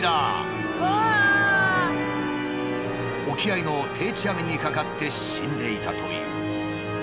沖合いの定置網に掛かって死んでいたという。